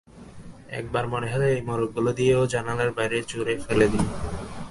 একবার মনে হল, এই মোড়কগুলো নিয়ে ও জানলার বাইরে ছুঁড়ে ফেলে দেবে।